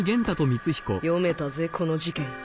読めたぜこの事件！